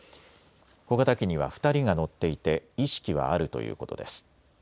小型機には２人が乗っていて意識はあるということです。